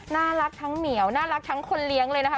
น่ารักทั้งเหมียวน่ารักทั้งคนเลี้ยงเลยนะคะ